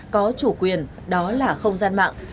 có chủ quyền đó là không gian mạng